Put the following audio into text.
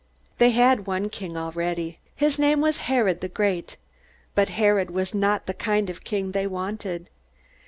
They had one king already. His name was Herod the Great. But Herod was not the kind of king they wanted.